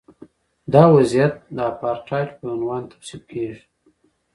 دا وضعیت د اپارټایډ په عنوان توصیف کیږي.